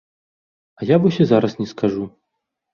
А я вось і зараз не скажу.